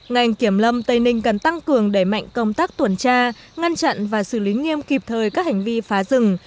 ngành kiểm lâm tây ninh cần tăng cường đẩy mạnh công tác tuần tra ngăn chặn và xử lý nghiêm kịp thời các hành vi phá rừng